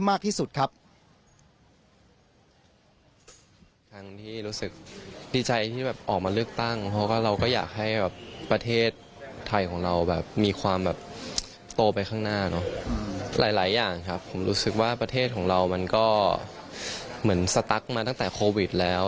ประหลังจากประเทศไทยของเรามีความโตไปข้างหน้าหลายอย่างครับผมรู้สึกว่าประเทศของเรามันก็เหมือนสตั๊กมาตั้งแต่โควิดแล้ว